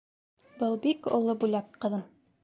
— Был бик оло бүләк, ҡыҙым!